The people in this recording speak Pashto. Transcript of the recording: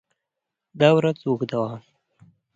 دا ورځ اوږده وه.